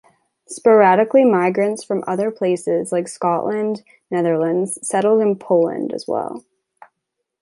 Sporadically migrants from other places like Scotland, Netherlands settled in Poland as well.